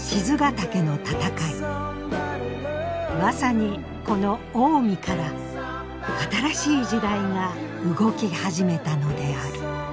まさにこの近江から新しい時代が動き始めたのである。